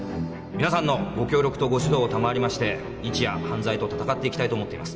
皆さんのご協力とご指導を賜りまして日夜犯罪と戦っていきたいと思っています。